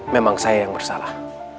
memang saya yang bersalah